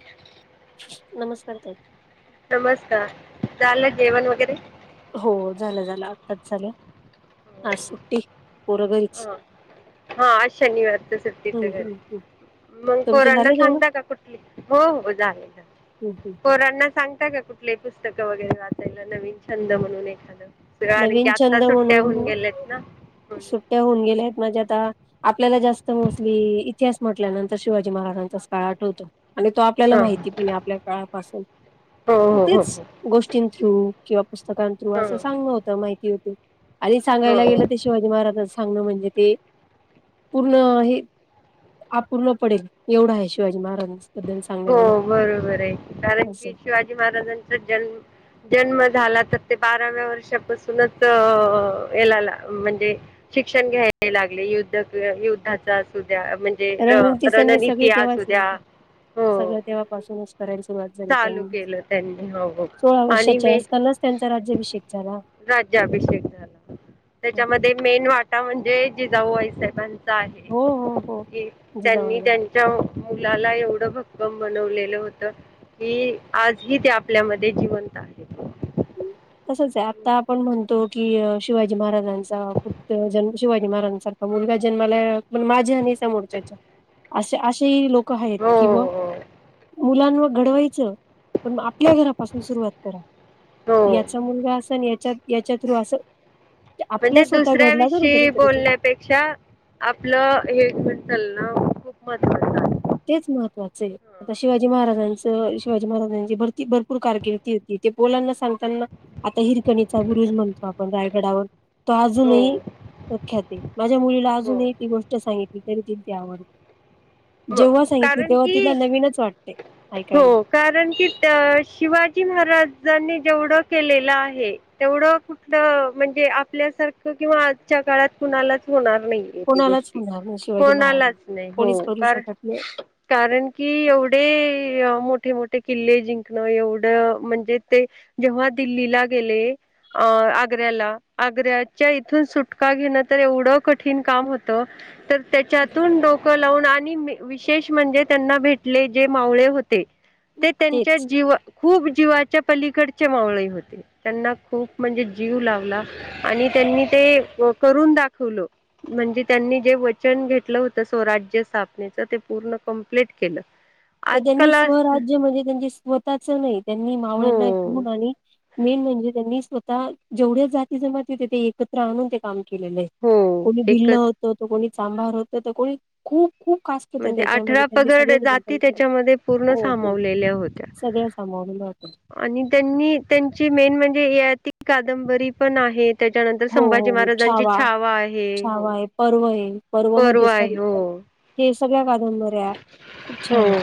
ह. नमस्कार! ताई. नमस्कार! ल ना जेवण वगैरे. हो झालं झालं आत्ताच झालं. हा सुट्टी पोर घरीच. हा हा आ शनिवार तर सुट्टीच हम्म घर. हम्म हम्म मग पो तुमचे राना झाले जेवणं सांगता का कुठली हो हो झाले. हम्म हम्म पोरना सांगता का कुठले पुस्तकं वगैरे वाचायला, नवीन छंद म्हणून एखादं सग आण की नवीन आत्ता छंद सुट्ट्या होऊन म्हणून गेलेत ना. सुट्ट्या होऊन गेले आहेत म्हणजे आता- आपल्याला जास्त मोस्टली इतिहास म्हटल्यानंतर शिवाजी महाराजांचाच काळ आठवतो आणि तो आणि तो आपल्याला हा माहितीय पण आहे. आपल्या काळापासून हो हो तेच. हो गोष्टीं थ्रू किंवा पुस्तकां थ्रू हो असं सांगण होतं, माहिती होते आणि हो सांगायला गेलं. हो शिवाजीमहाराजं सांगणं म्हणजे ते. पूर्ण हे अूपूर्ण पडेल एवढं आहे, शिवाजी महाराजांबद्दल. सांगण्या हो एवढं बरोबर आहे, कारण असं. की शिवाजी महाराजांचा जन्म जन्म झाला तर ते बाराव्या वर्षापासूनच येला म्हणजे. शिक्षण घ्यायला लागले युद्ध युद्धाचा असुध्या म्हणजे. रणनीती रणनीती असुद्या. सगळ तेव्हापासूनच. करायला सुरुवात झाली, चालू केलं त्यांनी हो हो सोळा आणि वर्षाच्या मे असतानाच त्यांचा राज्याभिषेक झाला. राज्याभिषेक झाला, त्याच्यामध्ये मेन वाटा म्हणजे जिजाऊबाईसाहेबांचा चा हो हो हो आहे त्यांनी जिजामाता त्यां मुलाला एवढं भक्कम बनवलेलं होतं. हि आजही ते आपल्यामध्ये जिवंत आहे. तसंच आहे आता आपण म्हणतो की, शिवाजी महाराजांचा जन्म शिवाजी महाराजांचा. मुलगा जन्माला पण माझ्या आणि समोरच्याच्या असे अशेही लोक लोक आहेत हो किंवा हो मुलांना घडवायचं. पण म आपल्या घरापासून सुरुवात करा, हो याचा मुलगा असा आणि याच्या याच्या थ्रू असं आपला म्हणजे स्वतः घडला दुसऱ्याविषयी तर बोलण्यात. पेक्षा आपलं हेण चालणं खूप महत्वाचं तेच महत्त्वाचे आहे. आता शिवाजी महाराजांच शिवाजी महाराजांची भरती भरपूर कारकिर्दी होती ते मुलांना सांगताना. आता हिरकणीचा बूरुज म्हणतो, आपण रायगडावर तो हो अजूनही ख्यात माझ्या मुलीला हो अजूनही ती गोष्ट सांगितली तरी त ती आवडते. म जेव्हा सांगितली कारण तेव्हा तिला की नवीनच वाटते ऐकायला. हो कारण की त अ शिवाजी महाराजांनी जेवढं केलेलं आहे तेवढं द म्हणजे आपल्यासारखं किंवा आजच्या काळात कुणालाच होणार नाही. येती कोणालाच गोष्टी होणार नाही शिवाजी महाराज कोनालाच नाही हो. कोणीच करू कारण शकत नाही कारण की एवढे मोठे मोठे किल्ले जिंकणं एवढं म्हणजे ते जेव्हा दिल्लीला गेले. अ आग्र्याला आग्र्याच्या इथून सुटका घेणं तर एवढं कठीण काम होतं. तर त्याच्यातून डोकं लावून आत मी मी विशेष म्हणजे त्यांना भेटले जे मावळे होते ते तेंच्या तेच जीवा खूप जीवाच्या पलीकडचे मावळे होते. त्यांना खूप म्हणजे जीव लावला आणि त्यांनी ते अ करून दाखवलं. म्हणजे त्यांनी जे वचन घेतलं होत स्वराज्य स्था तेचा पूर्ण कंप्लीट केलं. पण त्यांनी आजकाल अस स्वराज्य म्हणजे त्यांची स्वतःच नाही त्यांनी हो मावळ्यांना घेऊन आणि मेन म्हणजे त्यांनी स्वतः जेवढ्या जाती जमाती तेथें एकत्र आणून ते काम केलेलयं हो कोणी भील्लं एकच होतं तो कोणी चांभार होतं तो कोणी खूप खूप कास्ट होतं तेच्यामध्ये त्यां सगळेच बंद ती त्याच्यामध्ये पूर्ण सामावलेल्या होत्या. सगळं सामावलेलं होतं. आणि त्यांनी त्यांची मेन म्हणजे ययाति कादंबरी पण आहेत. तेच्यानंतर हो संभाजी हो हो. महाराजांची छावा आहे हो छावा आहे पर्व आहे पर्व पर्वमध्ये आहे सॉरी हो. हे सगळ्या कादंबऱ्या. खूप छान होय आहेत. होय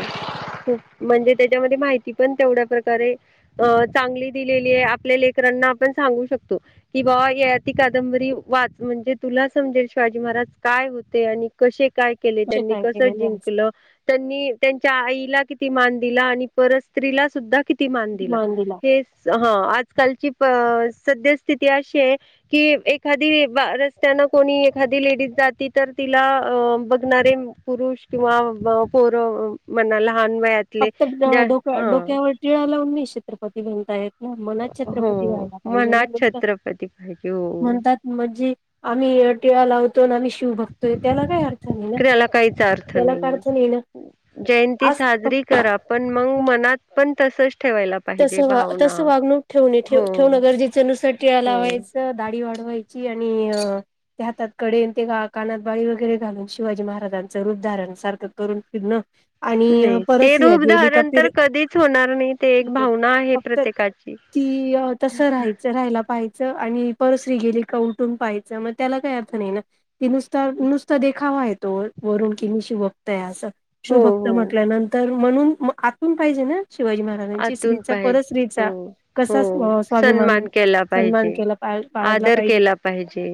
खुप म्हणजे त्याच्यामध्ये माहिती पण तेवढ्या प्रकारे अ चांगली दिलेलीयं आपल्या लेकरांना पण सांगू शकतो. कि बाबा ययाती कादंबरी वाच म्हणजे तुला समजेल शिवाजी महाराज काय होते आणि कसे काय केले त्यांनी काय कसं केलेले जिंक आज ल. त्यांनी त्यांच्या आईला किती मान दिला आणि परस्त्रीला सुद्धा कित ती मान दिला हे स ह आजकालची सद्य स्थिती प अशीयं कि एखादी रस्त्यान कोणी एखादी लेडीज जाती तर तिला अ बघणारे पुरुष किंवा पोर म्हणा लहान वयात फक्त डोक डोक्यावर टिळा लावून मी छत्रपती म्हणतायेत. ह मनात हो छत्रपती व्हायला पाहिजेला मनात ल छत्रपती पाहिजे हो. म्हणतात. म्हजी आम्ही टिळा लावतो आन आमी शी शिव भक्त त्याला काय अर्थ नाही ना त्याला काहीच अर्थ त्याला काय नाहीये. अर्थ नाही ना. जयंती आज फक्त साजरी करा पण मग मनात पण तसच ठेवायला पाहिजे तसं वा भावना. तसं वागणूक ठेवणेे ठेव हो ठेवणं गरजेच नुसतं टिळा हो. लावायच दाढी वाढवाय ची आणि अ त्या हातात कडे ते का कानात बाळी वगैरे घालून शिवाजी महाराजांचं रूप धारण सारखं करून फिरणं आणि नाही ते परत रूप धारण तर कधीच होणार नाही. ते एक क भावना आहे फक्त प्रत्येकाची. ती तसं राहायचं राहायला पाहायचं आणि परस्त्री गेली का उठून पाहायचं मग त्याला काही अर्थ नाही ना की नुसतं नुसता देखावा तो वरून किन मी शिवभक्त हाय असं हो शिवभक्त हो. म्हटल्यानंतर म्हणून आतून पाहिजे ना शिवाजी महाराज. आतून पाहिजे हो हो कसा स्वाभिमान सन्मान केला सन्मान पाहिजे. केला बाळगला आदर पाहिजे केला पाहिजे,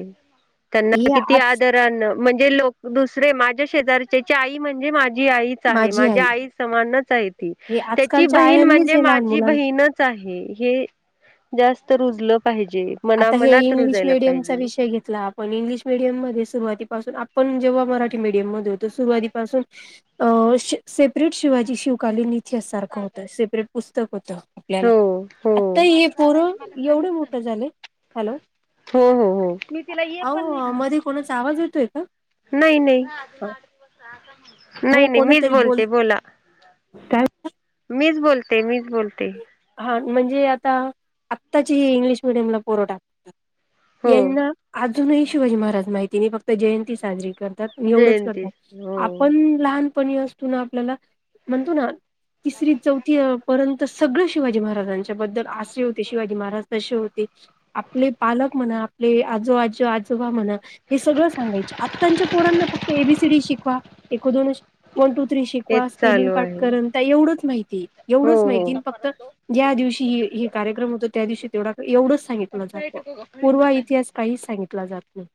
त्यांना हे किती आज आदरान म्हणजे लोक दुसरे माझ्या शेजारच्याची आई म्हणजे माझी आई चा आहे माझ्या आई समानच आहे ती हे तेचि आजकालच्या बहीण आयांनीच म्हणजे हे लहान माझी मुलांना बहीन हिनच आहे हे जास्त रुजलं पाहिजे. आता हे मनामनात इंग्लिश रुजायला मीडियमचा पाहिजे विषय घेतला पण इंग्लिश मिीडियम मध्ये सुरुवातीपासून आपण जेव्हा मराठी मीडियम मध्ये होतो सुरुवातीपासून अ श सेपरेट शिवाजी शिवकालीन इ तिहास सारखं होतं सेपरेट पुस्तक होतं आपल्याला. हो हो आता हे पोरं एवढं मोठं झालं. हॅलो हो हो हो आव मध्ये कोणाचा आवाज येतोय का? नाही नाही. हो नाही नाही मीच कोणीतरी बोल बोलते बोला मीच बोलते मीच बोलते. हा म्हणजे आता आत्ताची ही इंग्लिश मिीडियमला पोर टाकतात हो यांना अजूनही शिवाजी महाराज माहिती नाही फक्त जयंती साजरी करतात. एवढंच जयंती करतात हो आपण लहानपणी असतो ना आपल्याला म्हणतो ना तिसरी चौथी पर्यंत सगळ शी शिवाजी महाराजांच्या बद्दल असे होते शिवाजी महाराज तसे होते. आपले पालक म्हणा आपले आजो आजो आजोबा म्हणा. हे सगळं सांगाय आच्या पोरांना फक्त एबीसीडी शिकवा एक दोन शी वन टू थ्री तेच शिकवा स्पेलिंग चालू पाट आहे करन त्या एवढंच माहिती हो एवढंच माहिती हो. अन फक्त ज्या दिवशी ह हे कार्यक्रम होतो त्या दिवशी तेवढा एवढंच सांगितलं जातं पूर्वा इतिहास काहीच सांगितला जात नाही.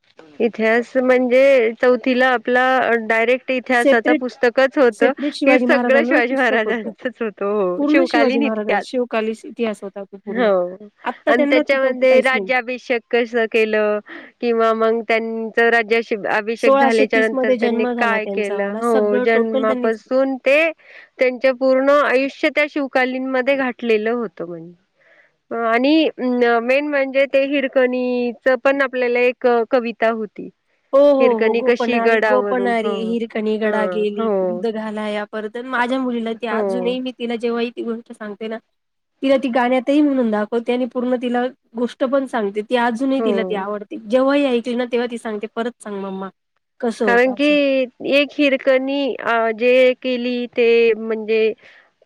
इतिहास म्हणजे चौथीला आपला डायरेक्ट इतिहासाच सेपरेट पुस्तकच होतं सेपरेट हे शिवाजी सगळं महाराजांवरच शिवाजी पुस्तक होतं महाराजांचच होतं हो पूर्ण शिवाजी शिवकालीन महाराजां इतिहास. शिवकालीस इतिहास होता तो पूर्ण हो आत्ता आणि त्यांना तिथं त्याच्यामध्ये काहीच नाही राज्याभिषेक. कस केलं किंवा मग त्यांच राज्या अभिषेक सोळाशे झाल्याच्या तीस नंतर मध्ये त्यांनी जन्म झाला काय त्यांचा केलं वाला हो सगळं टोटल त्यांनीच जन्मापासून ते त्यांच पूर्ण आयुष्य त्या शिवकालींमध्ये घातलेलं होत म्हने. आणि मेन म्हणजे ते हिरकणीच पण आपल्याला एक क कविता होती. हो हो हो हिरकणी कशी गोपनारी गडावरून ह गोपनारी हिरकणी ह गडा गेली हो दूध घालायां परत माझ्या मुलीला ती हो अजूनही मी तिला जेव्हा ह ती गोष्ट सांगते ना तिला ती गाण्यातही म्हणून दाखवते आणि पूर्ण तिला गोष्ट पण सांगते. ती अजूनही तिला ती हो आवडते जेव्हाही ऐकली ना तेव्हा ती सांगते परत सांग मम्मा. कसं कारण होतं की असं एक हिरकणी अ जे केली ते म्हणजे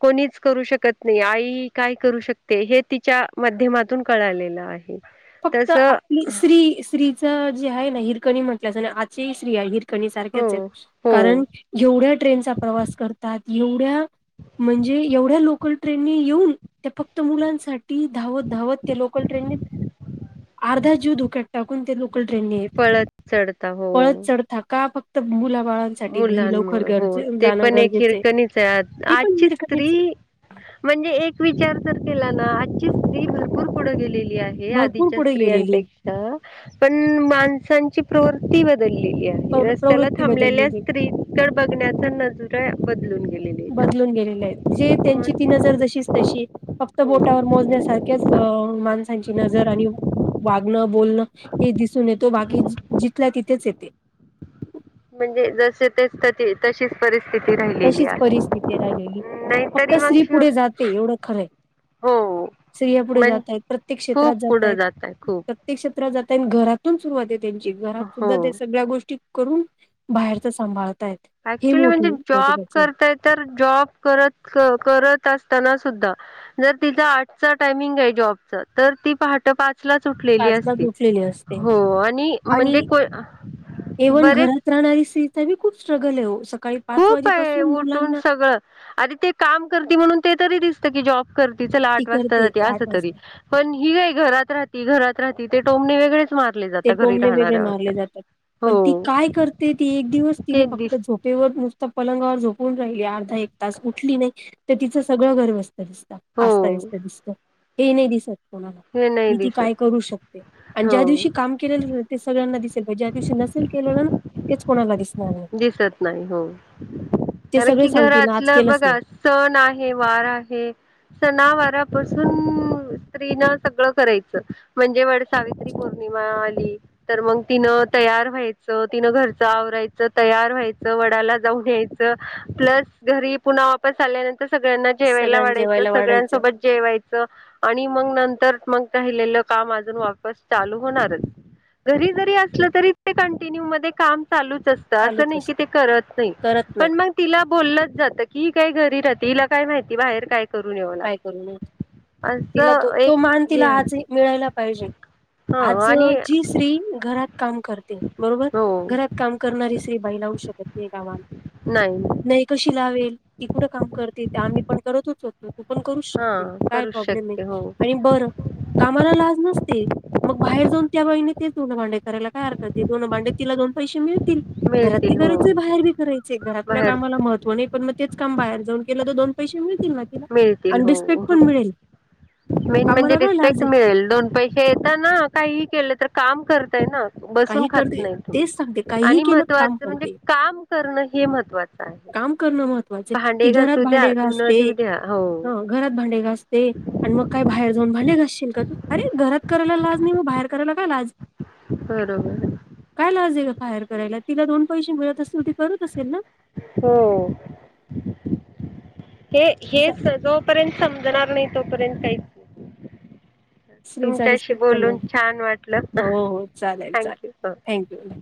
कोणीच करू शकत नाही आई काय करू शकते हे तिच्या माध्यमातून कळालेलं आहे. फक्त तस आपली स्त्री स्त्रीच जे आहे ना हिरकणी म्हटल्याच आणि आज ह स्त्री आहे हिर कणी हो सारख्याच आहेत हो कारण एवढ्या ट्रेनचा प्रवास करतात एवढ्या म्हणजे एवढ्या लोकल ट्रेनने येऊन त्या फक्त मुलांसाठी धावत धावत त्या लोकल ट्रेनने अर्धा जीव धोक्यात टाकून ते लो ट्रेन ने येतात पळत चढता हो पळ चढता का फक्त मुला बाळ मुलांमुळ हो ते पण एक आहे हिरकणीच आहे ती पण आजची निर्गणीच स्त्री आहे. म्हणजे एक विचार तर केला ना आजची स्त्री भरपूर पुढं गेलेली आहे. भरपूर आधीच्या पुढे गेलेली. स्त्रियांपेक्षा पण माणसांची प्रवृती बदललेली आहे. प्रव रस्त्याला प्रवृत्ती थांबलेल्या बदललेली स्त्रीकड बघण्याचा नजरा बदलून गेलेले बदलून गेलेले आहेत जे त्यांची ती नजर जशीच तशी फक्त हो बोटावर मोजण्यासारख्याच अं माणसांची नजर आणि वागणं बोलणं हे दिसून येतो बाकी जिथलं तिथेच येते. म्हणजे जसे तेच तशीच परिस्थिती राहिलेली तशीच आहे परिस्थिती आहे राहिलेली. हम्म नाही फक्त तरी मग स्त्री शिव पुढे जाते एवढं खरंय. हो स्त्रिया पुढे मण जातायत. प्रत्येक खूप क्षेत्रात पुढं जातायत. जातय खूप प्रत्येक क्षेत्रात जाताय आणि घरातून सुरवात आहे त्यांची घरात सुद्धा ते हो सगळ्या गोष्टी करून बाहेरच सांभाळतायात. ऍक्च्युली म्हणजे जॉब करताय तर जॉब करत करत असताना सुद्धा जर तिचा आठच टायमिंग आहे जॉबच तर ती पहाट पाच उठलेली ला असते झोपलेली असते हो आणि म्हणजे बरेच णारी स्त्रीचा भी खूप स्ट्रगल हो. सकाळी खूप आहे वाजेपासून उठून मुलांना सगळं आता ती काम करती म्हणून ते तरी दिसत कि जॉब करते चला ती आठ वाजता करते जाते ते अस तरी वाजता. पण ही काय घरात राहती घरात राहती ते टोमने वेगळेच मारले ते जातात घरी टोमने वेगळे राहणाऱ्यावर मारले तर जातात पण ती हो काय करते ती एक दिवस ते तिने फक्त दिस झोप तेवर नुसत पलंगावर झोपून राहिली एक तास उठली नाही तर तिचं सगळं घर असत दिसत अस्ता हो व्यस्त दिस्त हे नाही दिसत कोणाला हे नाही की ती काय दिसत करू शकते आणि ज्या हो दिवशी काम केलेल ते सगळ्यांना दिसेल पाहिजे पन ज्या दिवशी नसेल केले ना तेच कोणाला दिसणार नाही. दिसत नाही हो ते कारण सगळे की सांगतील आज घरातलं केलंच नाही. बघा सण आहे, वार आहे सणावारापासून स्त्री न सगळं करायचं म्हणजे व सावित्री पौर्णिमा आली तर मग तिनं तयार व्हायचं तिनं घरच आवरायचं तयार व्हायचं वडाला जाऊन यायचं प्लस घरी पुन्हा वापस आल्यानंतर सगळ्यांना जेवायला सगळ्यांना वाढायचं जेवायला वाढायचं सगळ्यांसोबत जेवायचं आणि मग नंतर मग राहिलेलं काम अजून वापस चालू होणारच. घरी जरी असलं तरी ते कंटिन्यू मध्ये काम चालूच असत, असं चालूच नाही की असतं ते करत नाही,, करत नाही पण मगऽ तिला बोलललंच जातं,, कि, हि काय घरी राहते, तिला काय माहिती बाहेर कायऽ काय करू न,, तिला तो, असं एक तो मान हे तिला आज आहे मिळायला पाहिजे. आज हा आणि जी स्त्री घरात काम करते,, बरोबर,, हो घरात कामऽ करणारी स्री, बाईला लावू शकत नाही कामातऽ नाही, नाही कशी लावेल,, ती कुठं काम करते, ते आम्ही पण करतच होतोऽ तू पण करूच शकते,, हा काय करू प्रॉब्लेम नाही,, शकते हो आणि बरं, कामाला लाज नसते,, मग बाहेर जाऊन त्या बाईने ते धुनं भांडे करायला काय हरकतये,, ते धुनं भांडे, तिला दोन पैसे मिळतऽ घरात बी मिळतील हो करायच, बाहेर बी करायचे, घरातल्या बाहेर कामाला महत्त्वानै पण मग तेच काम बाहेर जाऊन केलं, तर दोन पैसे मिळतील ना तिला,, तील आणि हो,,, रिस्पेक्ट पण मिळेल मेन म्हणजे कामाला काय लाज रिस्पेक्ट आहे मिळेल, दोन पैऽ ता ना,, काही ही केलं तर काम करतय ना,, बसून काही खात करते नाही तेच सांगते तुम्ही, काहीही आणि केलं काम महत्त्वाचं म्हणजे करते काम करणं हे महत्त्वाचं आहे. काम करणं महत्त्वाचं य, ती भांडे घरात घासू द्या भांडे धुनं घासते, धुऊ द्या हो हं. घरात भांडे घासते, आणि मग काय बाहेर जाऊन भांडे घ असशील का तू? अरे घरात करायला लाज नाही,, मग बाहेर करायला का लाज. बरोबर. काय लाजे का भायर करायला, तिला दोन पैसे मिळत असतील, ती करत असेल ना. हो हो,, हे असा हेच, जोऽ तपर्यंत समजणार नाही, तोपर्यंत काहीचऽ स्त्रीचा तुमच्याशी रिस्पेक्ट करणं बोलून छान वाटलं,, थँक यू. ह,